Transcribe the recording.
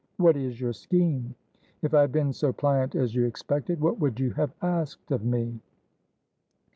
What is your scheme? If I had been so pliant as you expected, what would you have asked of me?"